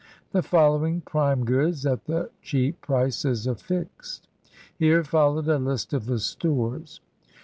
The following prime goods, at the cheap prices affixed. [Here followed a list of the stores.